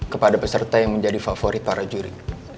kepada peserta yang menjadi favorit para juri